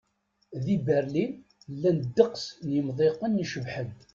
Di Berlin, llan ddeqs n yemḍiqen icebḥen.